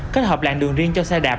kết hợp làng đường riêng cho xe đạp